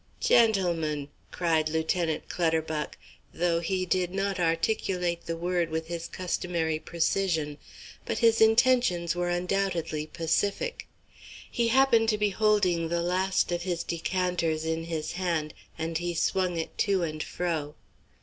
"Gentlemen," cried Lieutenant Clutterbuck, though he did not articulate the word with his customary precision; but his intentions were undoubtedly pacific. He happened to be holding the last of his decanters in his hand, and he swung it to and fro.